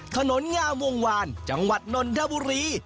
ถนนงามวงวานจังหวัดนนทบุรี